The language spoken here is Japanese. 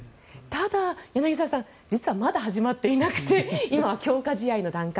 ただ、柳澤さんまだ始まっていなくて今はまだ強化試合の段階